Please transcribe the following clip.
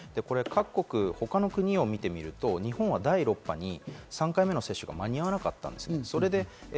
各国、他の国を見ると、日本は第６波に３回目の接種が間に合わなかった。